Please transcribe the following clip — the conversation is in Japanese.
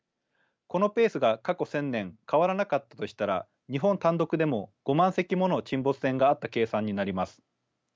このペースが過去１，０００年変わらなかったとしたら日本単独でも５万隻もの沈没船があった計算になります。